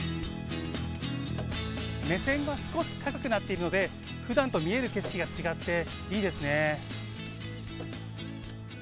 目線が少し高くなっているので、ふだんと見える景色が違っていいですね。